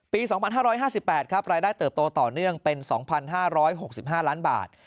ปี๒๕๕๘ครับรายได้เติบโตต่อเนื่องเป็น๒๕๖๕ล้านบาท